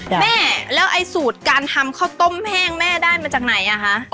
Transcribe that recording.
แม่แล้วไอ้สูตรการทำข้าวต้มแห้งแม่ได้มาจากไหนอ่ะคะ